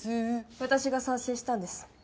私が賛成したんです。